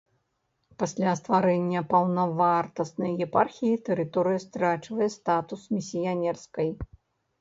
Пасля стварэння паўнавартаснай епархіі тэрыторыя страчвае статус місіянерскай.